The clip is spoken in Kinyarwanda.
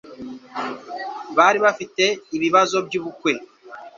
Bari bafite ibibazo byubukwe